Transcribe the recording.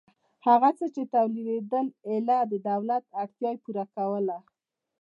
هغه څه چې تولیدېدل ایله د دولت اړتیا پوره کوله